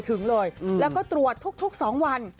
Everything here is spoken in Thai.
โปรดติดตามต่อไป